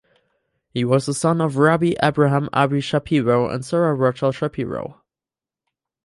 He was the son of Rabbi Avraham Abba Shapiro and Sora Rochel Shapiro.